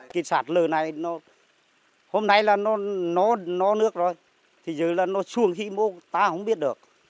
kết sạt lở này hôm nay là nó nước rồi thì dưới là nó xuồng khí mô ta không biết được